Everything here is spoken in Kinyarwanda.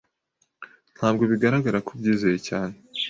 Ntabwo bigaragara ko ubyizeye cyane.